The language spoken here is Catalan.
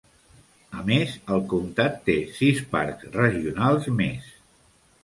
A més, el comtat té sis parcs regionals més.